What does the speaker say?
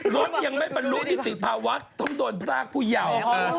รถยังไม่บรรลุที่ติดภาวะทำโดนพระราชผู้เยาว์